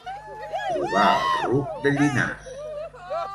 Trobar el ruc de Llinars.